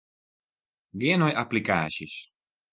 Gean nei applikaasjes.